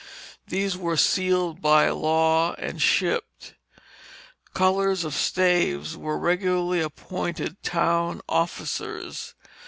These were sealed by law and shipped. Cullers of staves were regularly appointed town officers.